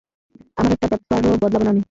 আমার একটা ব্যাপারও বদলাবো না আমি।